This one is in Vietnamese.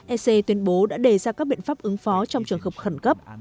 ec tuyên bố đã đề ra các biện pháp ứng phó trong trường hợp khẩn cấp